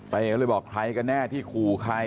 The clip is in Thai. ไปเข้าเลยบอกใครก็แน่ที่ครูใคร